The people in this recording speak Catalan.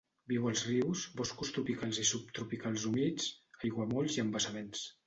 Viu als rius, boscos tropicals i subtropicals humits, aiguamolls i embassaments.